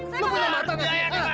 ibu ini pas menaruh jauh ke rumah